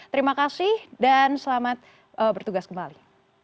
terima kasih dan selamat bertugas kembali